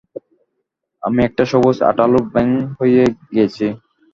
আমি একটা সবুজ আঠালো ব্যাঙ হয়ে গেছি!